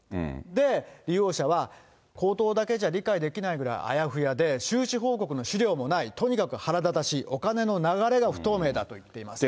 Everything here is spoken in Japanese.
で、利用者は口頭だけじゃ理解できないぐらいあやふやで、収支報告の資料もない、とにかく腹立たしい、お金の流れが不透明だと言っています。